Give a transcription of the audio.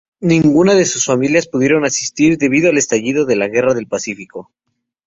Ninguna de sus familias pudieron asistir debido al estallido de la Guerra del Pacífico.